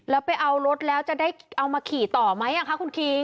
แล้วไปเอารถแล้วจะได้เอามาขี่ต่อไหมคะคุณคิง